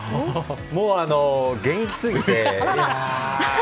もう元気すぎて。